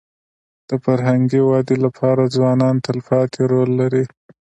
د فرهنګي ودي لپاره ځوانان تلپاتې رول لري.